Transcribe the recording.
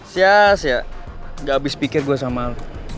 sias ya gak abis pikir gue sama lu